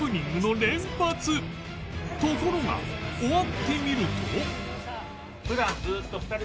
ところが終わってみると